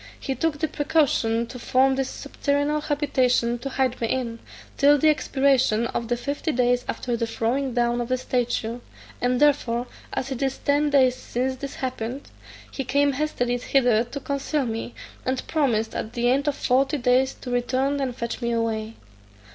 He took the precaution to form this subterranean habitation to hide me in, till the expiration of the fifty days after the throwing down of the statue; and therefore, as it is ten days since this happened, he came hastily hither to conceal me, and promised at the end of forty days to return and fetch me away.